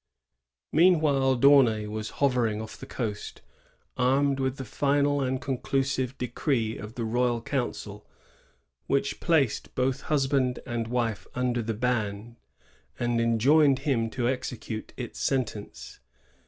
Meanwhile, D'Aunay was hovering off the coast, armed with the final and conclusive decree of the royal council, which placed both husband and wife under the ban, and enjoined him to execute its sen tence.